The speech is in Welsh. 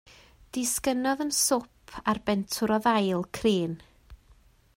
Disgynnodd yn swp ar bentwr o ddail crin.